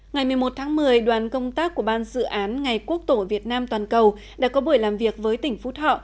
ngày một mươi một tháng một mươi đoàn công tác của ban dự án ngày quốc tổ việt nam toàn cầu đã có buổi làm việc với tỉnh phú thọ